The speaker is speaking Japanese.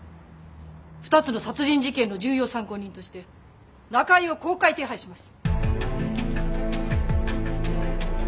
２つの殺人事件の重要参考人として中井を公開手配します・・